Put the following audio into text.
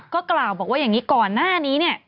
ก็กล่าวบอกว่าอย่างนี้ก่อนหน้านี้เนี่ย